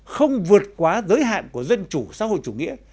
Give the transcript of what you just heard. không vượt quá giới hạn của dân chủ xã hội chủ nghĩa